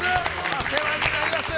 お世話になります。